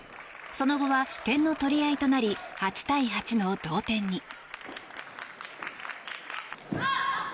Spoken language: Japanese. その後は点の取り合いとなり８対８の同点に。